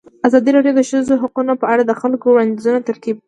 ازادي راډیو د د ښځو حقونه په اړه د خلکو وړاندیزونه ترتیب کړي.